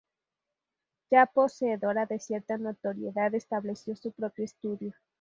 Ya poseedora de cierta notoriedad, estableció su propio estudio.